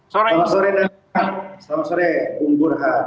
selamat sore bang burhan